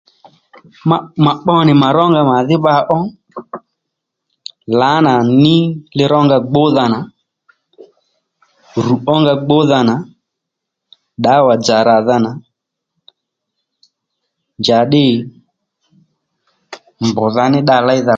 Mà mà pbo nì mà rónga màdhí bba ó lǎnà ní li rónga gbúdha nà rù ónga gbúdha ddǎwà dzà ò rǎdha nà njǎddí mbdha ní dda léydha